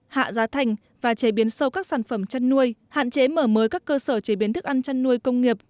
hạ giá thành và chế biến sâu các sản phẩm chăn nuôi hạn chế mở mới các cơ sở chế biến thức ăn chăn nuôi công nghiệp